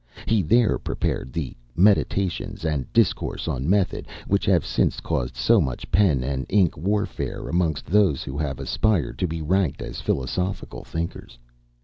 He there prepared the "Meditations," and "Discourse on Method," which have since caused so much pen and ink warfare amongst those who have aspired to be ranked as philosophical thinkers.